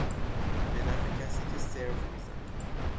به نفع کسی که سرو میزند